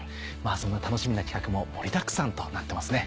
そんな楽しみな企画も盛りだくさんとなってますね。